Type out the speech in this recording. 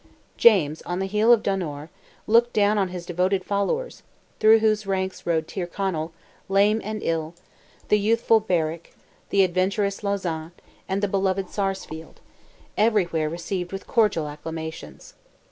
James, on the hill of Donore, looked down on his devoted defenders, through whose ranks rode Tyrconnell, lame and ill, the youthful Berwick, the adventurous Lauzan, and the beloved Sarsfield—everywhere received with cordial acclamations.